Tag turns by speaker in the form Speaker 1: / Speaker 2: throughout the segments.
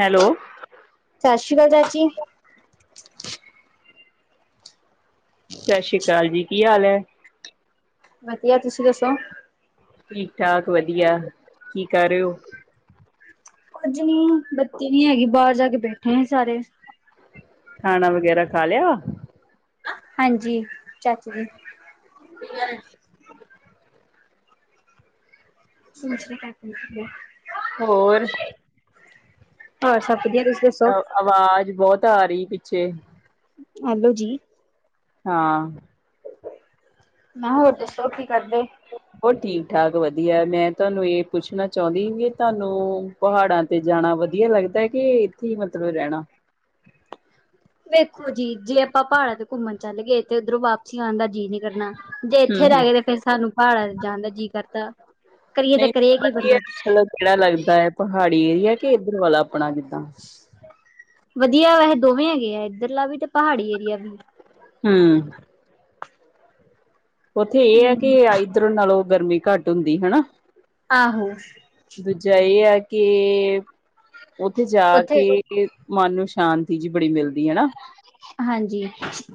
Speaker 1: Hello
Speaker 2: Sat Sri ਅਕਾਲ ਚਾਚੀ।
Speaker 1: ਸਤਿ ਸ੍ਰੀ ਅਕਾਲ ਜੀ, ਕੀ ਹਾਲ ਐ?
Speaker 2: ਵਧੀਆ, ਤੁਸੀਂ ਦੱਸੋ?
Speaker 1: ਠੀਕ ਠਾਕ ਵਧੀਆ, ਕੀ ਕਰ ਰਹੇ ਹੋ?
Speaker 2: ਕੁੱਝ ਨੀ ਬੱਤੀ ਨੀ ਹੈਗੀ ਬਾਹਰ ਜਾ ਕੇ ਬੈਠੇ ਆ ਸਾਰੇ।
Speaker 1: ਖਾਣਾ ਵਗੈਰਾ ਖਾ ਲਿਆ?
Speaker 2: ਹਾਂਜੀ, ਚਾਚਾ ਜੀ। ਸਮਛ ਕੇ
Speaker 1: ਹੋਰ
Speaker 2: ਹਾਂ ਸਰ
Speaker 1: ਆਵਾਜ਼ ਬਹੁਤ ਆ ਰਹੀ ਪਿੱਛੇ।
Speaker 2: ਹੈਲੋ ਜੀ।
Speaker 1: ਹਾਂ।
Speaker 2: ਮੈਂ ਹੋਰ ਦੱਸੋ ਕੀ ਕਰਦੇ?
Speaker 1: ਠੀ ਠਾਕ ਵਧੀਆ, ਮੈਂ ਤੁਹਾਨੂੰ ਇਹ ਪੁੱਛਣਾ ਚਾਹੁੰਦੀ ਵੀ ਤੁਹਾਨੂੰ ਪਹਾੜਾਂ ਤੇ ਜਾਣਾ ਵਧੀਆ ਵਧੀਆ ਲੱਗਦਾ ਹੈ? ਕਿ ਇੱਥੇ ਹੀ ਮਤਲਬ ਰਹਿਣਾ।
Speaker 2: ਵੇਖੋ ਜੀ ਜੇ ਆਪਾਂ ਪਹਾੜਾ ਤੇ ਘੁੰਮਣ ਚੱਲ ਗਏ ਤੇ ਉੱਧਰੋਂ ਵਾਪਸੀ ਆਉਣ ਦਾ ਜੀ ਨੀ ਕਰਨਾ ਜੇ ਇੱਥੇ
Speaker 1: ਹਮ ਹਮ
Speaker 2: ਰਹਿ ਗਏ ਤੇ ਫੇਰ ਸਾਨੂੰ ਪਹਾੜਾਂ ਜਾਣ ਦਾ ਜੀਅ ਕਰਦਾ। ਕਰੀਏ ਤਾਂ
Speaker 1: ਨਹੀਂ
Speaker 2: ਕਰੀਏ ਕੀ
Speaker 1: ਵਧੀਆ
Speaker 2: ਬੰਦੇ ਪਿਛੇ
Speaker 1: ਮਤਲਬ ਕਿਹੜਾ ਲੱਗਦਾ ਹੈ ਪਹਾੜੀ ਏਰੀਆ ਕਿ ਇਧਰ ਵਾਲਾ ਆਪਣਾ ਜਿੱਦਾਂ
Speaker 2: ਵਧੀਆ ਵੈਸੇ ਦੋਵੇਂ ਹੈਗੇ ਆ ਇੱਧਰਲਾ ਵੀ ਤੇ ਪਹਾੜੀ ਏਰੀਆ ਵੀ
Speaker 1: ਹਮ ਉੱਥੇ ਇਹ ਹੈ ਕਿ ਇੱਧਰੋਂ ਨਾਲੋਂ ਗਰਮੀ ਘੱਟ ਹੁੰਦੀ ਹਨਾ।
Speaker 2: ਆਹੋ।
Speaker 1: ਦੂਜਾ ਇਹ ਆ ਕਿ ਉੱਥੇ ਜਾ
Speaker 2: ਉੱਥੇ
Speaker 1: ਕੇ ਮਨ ਨੂੰ ਸ਼ਾਂਤੀ ਜਿ ਬੜੀ ਮਿਲਦੀ। ਹੈ ਨਾ
Speaker 2: ਹਾਂਜੀ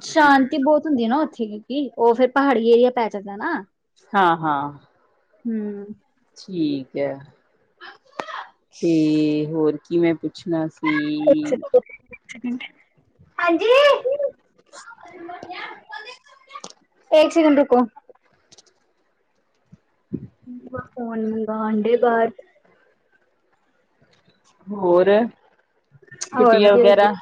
Speaker 2: ਸ਼ਾਂਤੀ ਬਹੁਤ ਹੁੰਦੀ ਹੈ ਨਾ ਉਥੇ ਠੀਕ ਉਹ ਫਿਰ ਪਹਾੜੀ ਏਰੀਆ ਪੈ ਜਾਂਦਾ ਨਾ।
Speaker 1: ਹਾਂ-ਹਾਂ।
Speaker 2: ਹੂੰ
Speaker 1: ਠੀਕ ਹੈ। ਤੇ ਹੋਰ ਕੀ ਮੈਂ ਪੁੱਛਣਾ ਸੀ।
Speaker 2: [inaudible] ਹਾਂਜੀ।
Speaker 1: [inaudible]
Speaker 2: ਐਕ ਸੈਕਿੰਡ ਰੁਕੋ। ਬੂਆ ਫੋਨ ਮੰਗਾਂਣ ਡੇ ਬਾਹਰ
Speaker 1: ਹੋਰ
Speaker 2: ਹੋਰ
Speaker 1: ਛੁੱਟੀਆਂ
Speaker 2: ਵਧੀਆ
Speaker 1: ਵਗੈਰਾ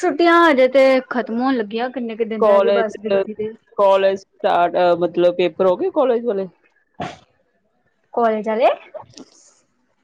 Speaker 2: ਛੁੱਟੀਆਂ ਹਜੇ ਤੇ ਖ਼ਤਮ ਹੋਣ ਲੱਗੀਆਂ। ਕਿੰਨੇ ਕੁ ਦਿਨ ਰਹਿ ਗਏ
Speaker 1: ਕੋਲਜ
Speaker 2: ਬਸ ਗਿਣਤੀ ਦੇ
Speaker 1: -ਕੋਲਜ ਸਟਾਰਟ ਮਤਲਬ ਪੇਪਰ ਹੋ ਗਏ ਕੋਲਜ ਵਾਲੇ
Speaker 2: ਕੋਲੇਜ ਆਲੇ
Speaker 1: [inaudible]